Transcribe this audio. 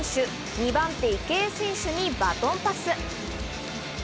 ２番手・池江選手にバトンパス。